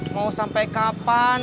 mau sampai kapan